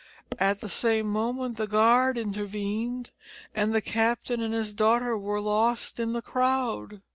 At the same moment the guard intervened, and the captain and his daughter were lost in the crowd.